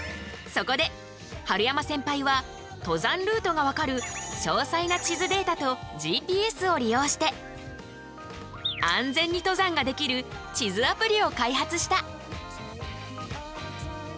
そこで春山センパイは登山ルートが分かる詳細な地図データとＧＰＳを利用して安全に登山ができる地図アプリを開発した。